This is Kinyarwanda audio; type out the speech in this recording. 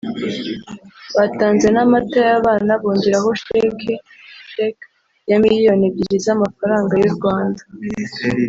Batanze n’amata y’abana bongeraho sheke (cheque) ya miliyoni ebyiri z’amafaranga y’u Rwanda